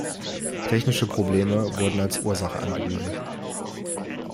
Technische Probleme wurden als Ursache angegeben.